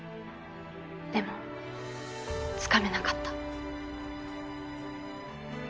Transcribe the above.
でも掴めなかった。